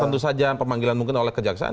tentu saja pemanggilan mungkin oleh kejaksaan